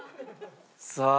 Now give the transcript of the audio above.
さあ。